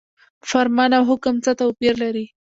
فرمان او حکم څه توپیر لري؟